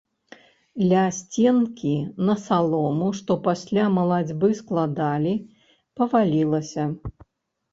Ля сценкі на салому, што пасля малацьбы складалі, павалілася.